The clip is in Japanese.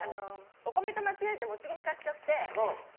お米と間違えてもち米買っちゃって。